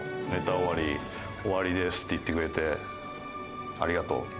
終わり「終わりです」って言ってくれてありがとう。